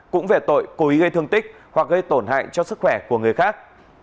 cũng về tội cố ý gây thương tích hoặc gây tổn hại cho sức khỏe của người khác